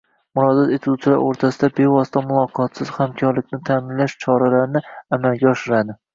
murojaat etuvchilar o’rtasida bevosita muloqotsiz hamkorlikni ta’minlash choralarini amalga oshiradi.